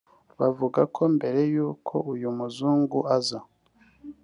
bavuga ko mbere y’uko uyu muzungu aza